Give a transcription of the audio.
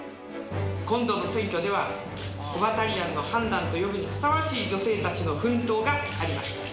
今度の選挙では、オバタリアンの判断と呼ぶにふさわしい女性たちの奮闘がありました。